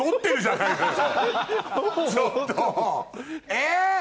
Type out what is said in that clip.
え！